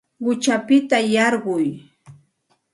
Quchapita yarquy